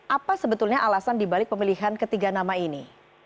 apa sebetulnya alasan dibalik pemilihan ketiga nama ini